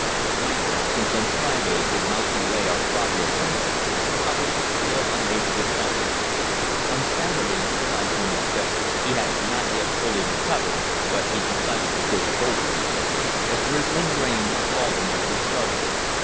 My absence on Friday did not delay our progress any; for Hubbard was still unable to travel. On Saturday (July 25) he had not yet fully recovered, but he decided to push forward. A drizzling rain was falling as we started.